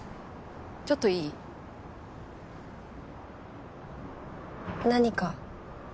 ちょっといい？何か？